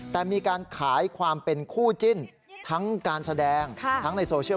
แต่มีการขายความเป็นคู่จิ้นทั้งการแสดงทั้งในโซเชียล